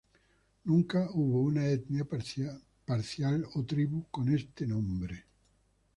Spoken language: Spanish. Nunca hubo una etnia, parcialidad o tribu con este nombre.